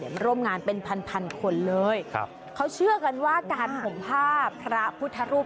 มาร่วมงานเป็นพันพันคนเลยครับเขาเชื่อกันว่าการห่มผ้าพระพุทธรูป